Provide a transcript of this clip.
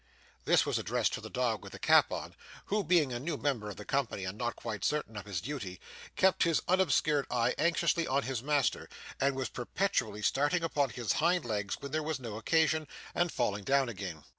This was addressed to the dog with the cap on, who being a new member of the company, and not quite certain of his duty, kept his unobscured eye anxiously on his master, and was perpetually starting upon his hind legs when there was no occasion, and falling down again.